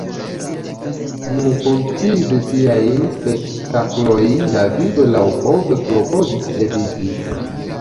Nu koncize, tiajn spektaklojn Davido laŭpove klopodis eviti.